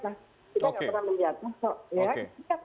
kita tidak pernah melihatnya